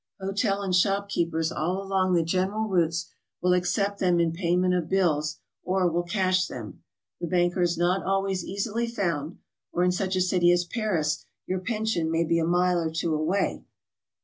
Hotel and shop keepers all along the general routes will accept them in payment of bills, or will cash them. The banker is not always easily found, or in such a city as Paris your pension may be a mile or two away.